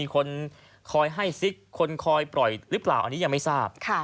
คนคอยให้ซิกคนคอยปล่อยหรือเปล่าอันนี้ยังไม่ทราบ